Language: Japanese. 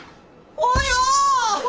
およ！